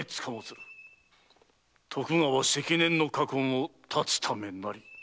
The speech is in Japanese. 徳川積年の禍根を断つためなり。